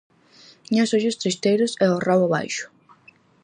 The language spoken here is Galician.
Tiña os ollos tristeiros e o rabo baixo.